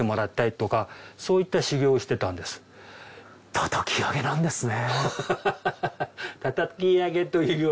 叩き上げなんですね。